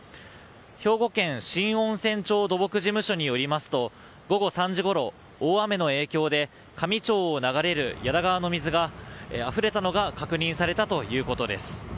兵庫県新温泉町土木事務所によりますと午後３時ごろ、大雨の影響で香美町を流れる矢田川の水があふれたのが確認されたということです。